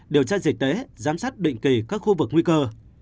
điều tra dịch tễ giám sát định kỳ các khu vực nguy cơ